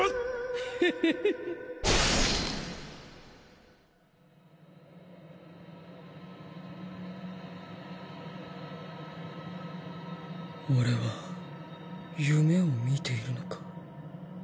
フフフフ俺は夢を見ているのか？